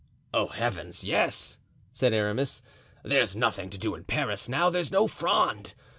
"Oh, heavens! yes," said Aramis. "There's nothing to do in Paris now there's no Fronde.